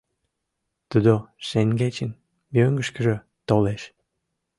Тудо шеҥгечын мӧҥгышкыжӧ толеш.